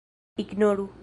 ignoru